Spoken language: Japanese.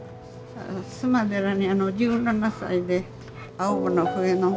須磨寺に１７歳で青葉の笛の。